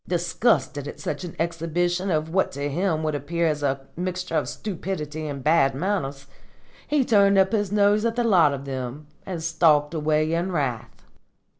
Disgusted at such an exhibition of what to him would appear as a mixture of stupidity and bad manners, he turned up his nose at the lot of them and stalked away in wrath.